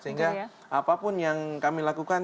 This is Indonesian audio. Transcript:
sehingga apapun yang kami lakukan